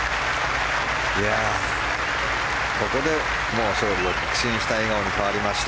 ここでもう勝利を確信した笑顔に変わりました。